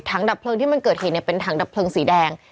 ถังดับพลึงที่มันเกิดเห็นเป็นถังดับพลึงสีแดง